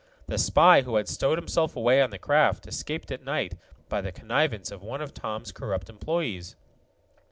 The spy who had stowed himself away on the craft escaped at night by the connivance of one of Tom's corrupt employees.